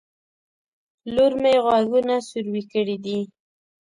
لور مې غوږونه سوروي کړي دي